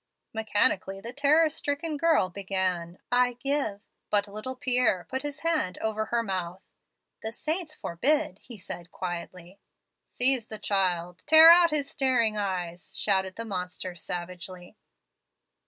"Mechanically the terror stricken girl began: 'I give ' but little Pierre put his hand over her mouth. 'The saints forbid,' he said quietly. "'Seize the child; tear out his staring eyes,' shouted the monster, savagely."